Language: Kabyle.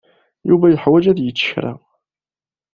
Yuba yeḥwaj ad yečč kra.